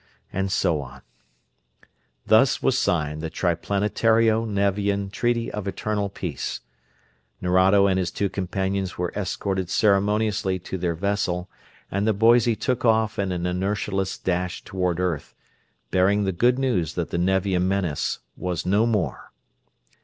And so on. Thus was signed the Triplanetario Nevian Treaty of Eternal Peace. Nerado and his two companions were escorted ceremoniously to their vessel, and the Boise took off in an inertialess dash toward earth, bearing the good news that the Nevian menace was no more.